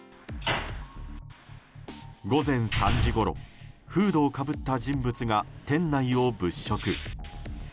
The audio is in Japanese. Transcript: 午前３時ごろ、フードをかぶった人物が店内を物色。